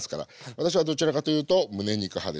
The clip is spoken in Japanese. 私はどちらかというとむね肉派です。